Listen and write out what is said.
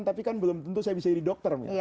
tapi kan belum tentu saya bisa jadi dokter